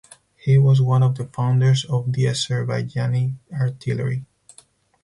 He was one of the founders of the Azerbaijani artillery.